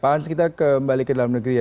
pak hans kita kembali ke dalam negeri ya